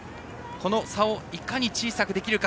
その差をいかに小さくできるか。